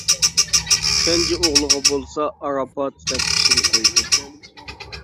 كەنجى ئوغلىغا بولسا «ئاراپات» دەپ ئىسىم قويدى.